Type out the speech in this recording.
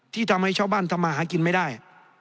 ที่ทำให้ชาวบ้านทำมาหากินไม่ได้